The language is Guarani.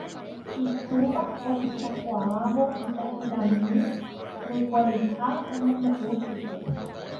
Itúva ohechakuaávo ita'yrami ndoikuaaiha omombe'u chupe.